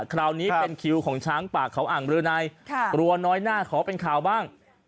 คราวนี้คิวของช้างป่าเขาอ่างด้วยรัวน้อยหน้าขอเป็นข่าวบ้าง